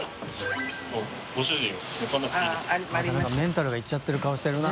また何かメンタルがイっちゃってる顔してるな。